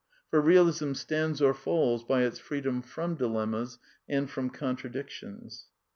For Eealism stands or falls by its freedom from dilemmas and from contradictions.